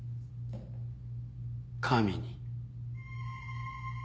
神に。